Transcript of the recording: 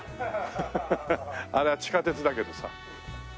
ハハハハあれは地下鉄だけどさ。